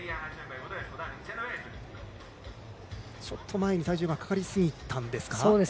ちょっと前に体重がかかりすぎたんですか。